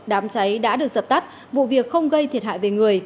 đám cháy đã được dập tắt vụ việc không gây thiệt hại về người